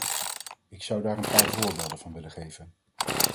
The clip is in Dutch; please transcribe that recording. Ik zou daar een paar voorbeelden van willen geven.